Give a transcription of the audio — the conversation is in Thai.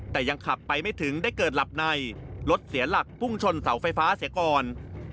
แต่ยังขับไปไม่ถึงได้เกิดหลับในรถเสียหลักพุ่งชนเสาไฟฟ้าเสียก่อน